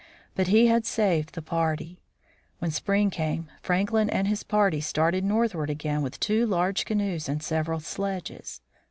But he had saved the party. When spring came, Franklin and his company started northward again with two large canoes and several sledges.